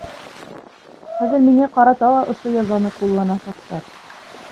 Хәҙер миңә ҡарата ла ошо язаны ҡулланасаҡтар.